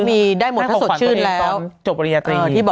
ก็ได้หมดถ้าสดชื่นแล้วค่าขอบขวัญพูดตัวเองตอนจบบริญญาตรี